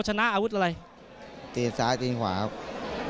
จรีนซ้าจรีนขวาครับ